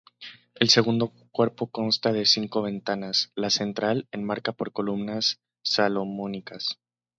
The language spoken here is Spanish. El segundo cuerpo consta de cinco ventanas, la central enmarcada por columnas salomónicas.